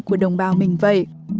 của đồng bào mình vậy